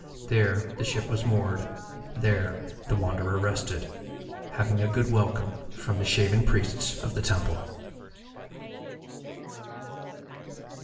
There the ship was moored, there the Wanderer rested, having a good welcome from the shaven priests of the temple.